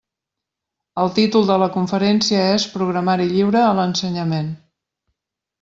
El títol de la conferència és «Programari Lliure a l'Ensenyament».